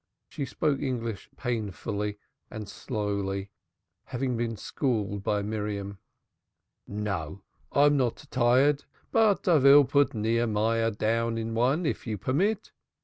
She spoke English painfully and slowly, having been schooled by Miriam. "No, I'm not tired. But I vill put Nechemyah down on one, if you permit.